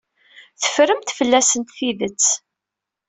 Teffremt fell-asent tidet.